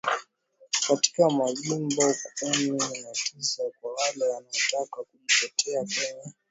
katika majimbo kumi na tisa kwa wale wanaotaka kujitetea wenyewe